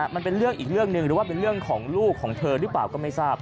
มันเป็นเรื่องอีกเรื่องหนึ่งหรือว่าเป็นเรื่องของลูกของเธอหรือเปล่าก็ไม่ทราบ